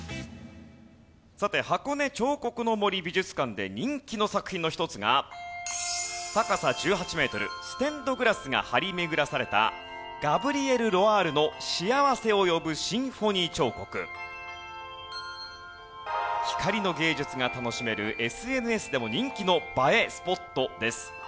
さて箱根彫刻の森美術館で人気の作品の一つが高さ１８メートルステンドグラスが張り巡らされたガブリエル・ロアールの『幸せをよぶシンフォニー彫刻』。光の芸術が楽しめるＳＮＳでも人気の映えスポットです。